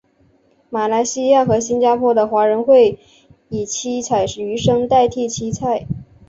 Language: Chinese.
马来西亚和新加坡的华人会以七彩鱼生代替七菜。